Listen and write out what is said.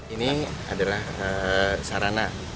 ini adalah sarana